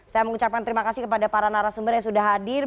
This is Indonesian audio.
saya mengucapkan terima kasih kepada para narasumber yang sudah hadir